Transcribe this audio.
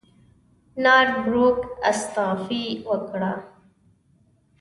نارت بروک استعفی وکړه.